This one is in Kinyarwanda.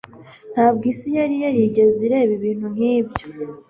Ntabwo isi yari yarigeze ireba ibintu nk'ibyo.